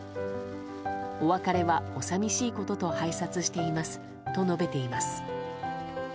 お別れはお寂しいことと拝察していますと述べています。